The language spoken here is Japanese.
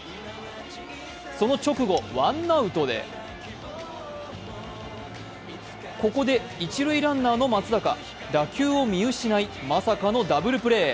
その直後、ワンアウトでここで一塁ランナーの松坂打球を見失いまさかのダブルプレー。